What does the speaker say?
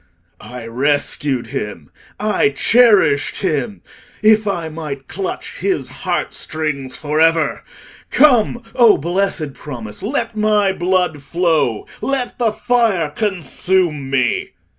"I rescued him—I cherished him—if I might clutch his heart strings for ever! Come, O blessed promise! Let my blood flow; let the fire consume me!"